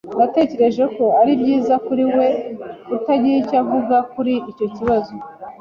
Natekereje ko ari byiza kuri we kutagira icyo avuga kuri icyo kibazo.